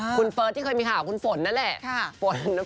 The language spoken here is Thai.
คุณเฟิร์สที่เคยมีข่าวคุณฝนนั่นแหละ